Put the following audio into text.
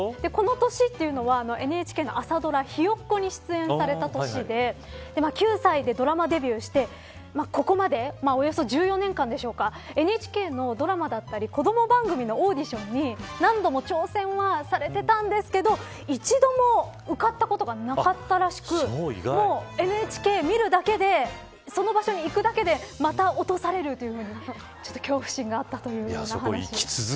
この年というのはＮＨＫの朝ドラひよっこに出演された年で９歳でドラマデビューしてここまでおよそ１４年間でしょうかＮＨＫのドラマだったり子ども番組のオーディションに何度も挑戦はされてたんですけど一度も受かったことがなかったらしくＮＨＫ見るだけでその場所に行くだけでまた落とされるという恐怖心があったというような話も。